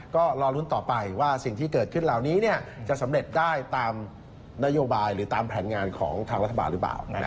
ก็รอลุ้นต่อไปว่าสิ่งที่เกิดขึ้นเหล่านี้จะสำเร็จได้ตามนโยบายหรือตามแผนงานของทางรัฐบาลหรือเปล่า